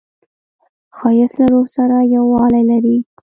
ښایست له روح سره یووالی لري